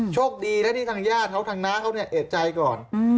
โชคดีนะที่ทางญาติเขาทางน้าเขาเนี่ยเอกใจก่อน